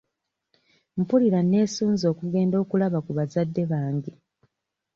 Mpulira neesunze okugenda okulaba ku bazadde bange.